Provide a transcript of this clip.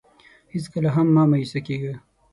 هېڅکله هم مه مایوسه کېږه.